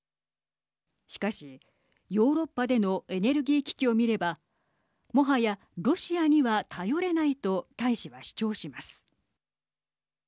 しかし、ヨーロッパでのエネルギー危機を見ればもはやロシアには頼れないと大使は主張します。